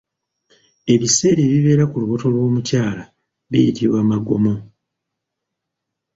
Ebiseera ebibeera ku lubuto lw’omukyala biyitibwa Magomo.